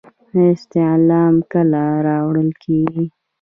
استعلام کله کارول کیږي؟